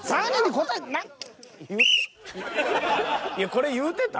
これ言うてた？